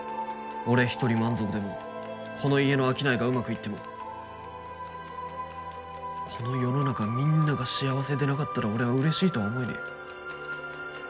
俺一人満足でもこの家の商いがうまくいってもこの世の中みぃんなが幸せでなかったら俺はうれしいとは思えねぇ。